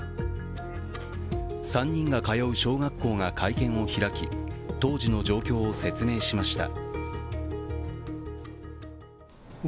３人が通う小学校が会見を開き当時の状況を説明しました。